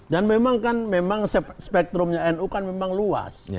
dan memang kan memang spektrumnya nu kan memang luas